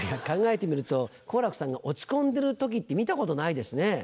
考えてみると好楽さんが落ち込んでる時って見たことないですね。